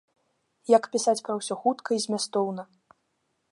Як пісаць пра ўсё хутка і змястоўна.